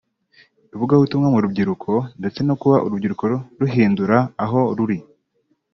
ivugabutumwa mu rubyiruko ndetse no kuba urubyiruko ruhindura aho ruri